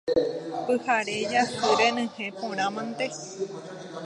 Pyhare jasy renyhẽ porã mante.